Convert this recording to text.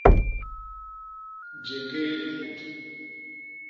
Jéñgéé li mut.